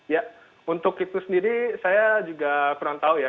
ya untuk itu sendiri saya juga kurang tahu ya